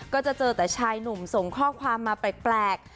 ก็จะเจอแต่ชายหนุ่มส่งข้อความมาแปลก